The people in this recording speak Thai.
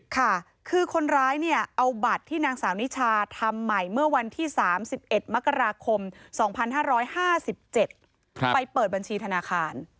ค่ะคือคนร้ายเนี่ยเอาบัตรที่นางสาวนิชาทำใหม่เมื่อวันที่๓๑มกราคม๒๕๕๗ไปเปิดบัญชีธนาคาร